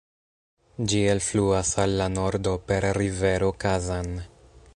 Ĝi elfluas al la nordo per rivero Kazan.